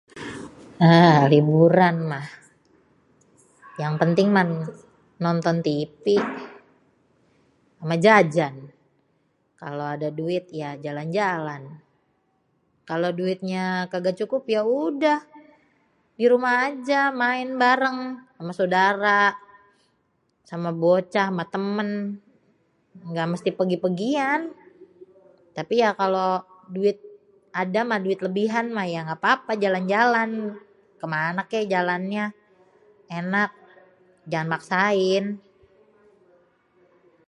Lah liburan mah yang penting mah nonton tv amè jajan, kalo ada duit ya jalan-jalan, kalau duitnya kaga cukup yaudeh dirumah ajè main bareng ama sodara, ama bocah, ama temen, engga mesti pègi-pègian. Tapi ya kalau duit ada mah ada lebihan mah ya gapapa jalan-jalan kemana kek jalannya enak jangan maksain.